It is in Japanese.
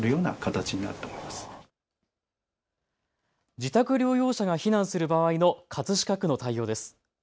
自宅療養者が避難する場合の葛飾区の対応です。